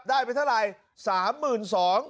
ได้เป็นเท่าไหร่๓๒๐๐๐